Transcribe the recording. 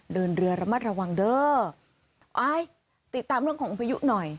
เดินเรือระมัดระวังเด้อไปติดตามเรื่องของพายุหน่อย